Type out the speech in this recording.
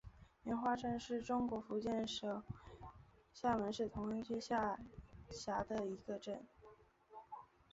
莲花镇是中国福建省厦门市同安区下辖的一个镇。